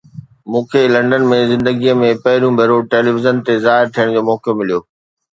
مون کي لنڊن ۾ زندگيءَ ۾ پهريون ڀيرو ٽيليويزن تي ظاهر ٿيڻ جو موقعو مليو.